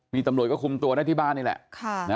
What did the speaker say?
มีตำลวยก็คุมตัวในที่บ้านนี่แหละค่ะ